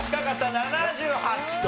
７８と。